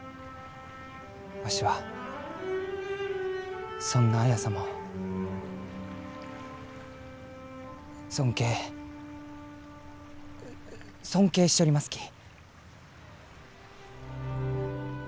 わしはそんな綾様を尊敬尊敬しちょりますき。